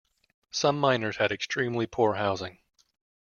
Some miners had extremely poor housing.